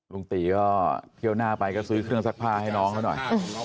ลุงตรีเพลงเท่าไหร่ซักผ้าให้น้องให้หน่อย